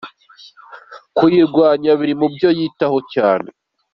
Kuyirwanya biri mu byo yitaho cyane.